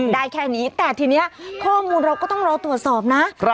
ได้แค่นี้แต่ทีนี้ข้อมูลเราก็ต้องรอตรวจสอบนะ